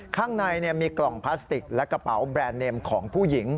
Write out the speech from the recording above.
ข้างในมีกล่องพลาสติกและกระเป๋าแบรนด์เนมของผู้หญิง